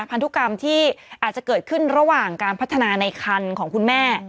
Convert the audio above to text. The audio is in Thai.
พันธุกรรมที่อาจจะเกิดขึ้นระหว่างการพัฒนาในคันของคุณแม่